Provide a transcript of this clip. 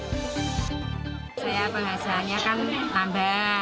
saya penghasilannya kan tambah